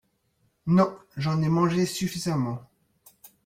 Non, j'en ai mangé suffisamment.